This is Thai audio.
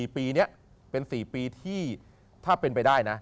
ปีนี้เป็น๔ปีที่ถ้าเป็นไปได้นะ